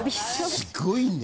すごいね。